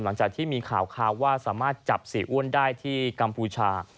หลังจากที่มีข่าวว่าสามารถจับเสียอ้วนได้ที่กัมพูชา